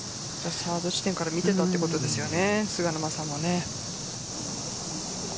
サード地点から見ていたということですよね。